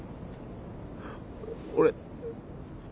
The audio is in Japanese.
俺